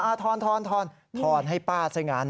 อะถอนถอนให้ป้าซะงั้น